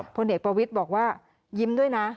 พลเอกประวิทย์บอกว่ายิ้มด้วยนะ